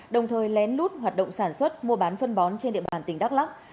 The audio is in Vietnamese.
đồng thời lén lút hoạt động sản xuất mua bán phân bón trên địa bàn tỉnh đắk lắc